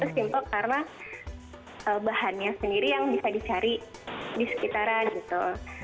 itu simple karena bahannya sendiri yang bisa dicari di sekitaran gitu